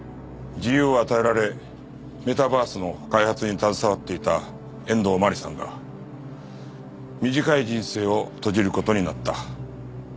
自由を与えられメタバースの開発に携わっていた遠藤真理さんが短い人生を閉じる事になった。